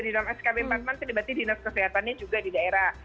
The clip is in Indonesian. di dalam skb empat man terlibat di dinas kesehatannya juga di daerah